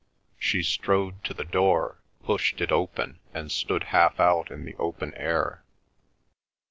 She strode to the door, pushed it open, and stood half out in the open air.